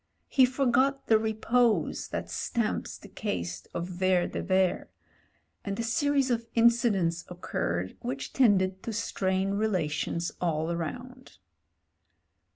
He forgot the repose that stamps the caste of Vere de Vere, and a series of incidents occurred which tended to strain relations all round.